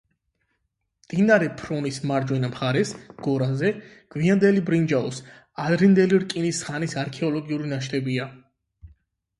მდინარე ფრონის მარჯვენა მხარეს, გორაზე, გვიანდელი ბრინჯაოს, ადრინდელი რკინის ხანის არქეოლოგიური ნაშთებია.